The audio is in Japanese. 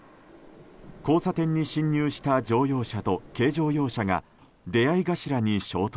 交差点に進入した乗用車と軽乗用車が出合い頭に衝突。